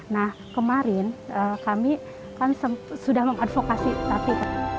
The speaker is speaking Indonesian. nah kemarin kami kan sudah mengadvokasi tati